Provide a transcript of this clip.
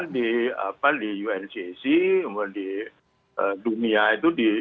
bahkan di uncc di dunia itu di